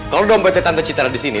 kalau lo udah ompetin tante citra di sini